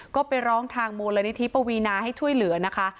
ก็ไปร้องทางมูลนิธิปวีนาให้ช่วยเหลือนะคะ